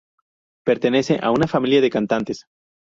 Pertenece a una familia de cantantes.